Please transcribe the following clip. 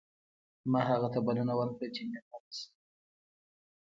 ما هغه ته بلنه ورکړه چې مېلمه مې شي